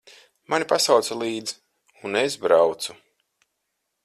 Mani pasauca līdzi, un es braucu.